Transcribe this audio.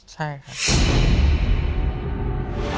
ใช่ครับ